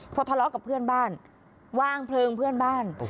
พอทะเลาะกับเพื่อนบ้านวางเพลิงเพื่อนบ้าน